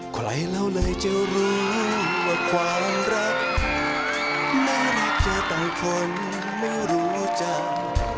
ใครเราเลยจะรู้ว่าความรักแม้แรกเจอแต่คนไม่รู้จัก